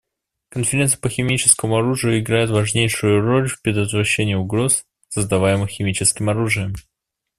Конвенция по химическому оружию играет важнейшую роль в предотвращении угроз, создаваемых химическим оружием.